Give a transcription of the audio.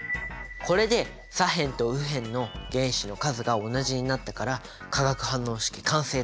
これで左辺と右辺の原子の数が同じになったから化学反応式完成だね！